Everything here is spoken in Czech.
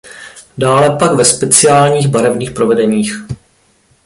Dále pak ve speciálních barevných provedeních.